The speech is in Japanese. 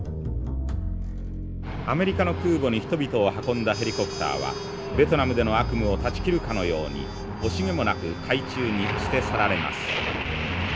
「アメリカの空母に人々を運んだヘリコプターはベトナムでの悪夢を断ち切るかのように惜しげもなく海中に捨て去られます」。